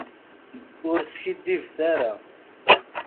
Ur skiddibet ara.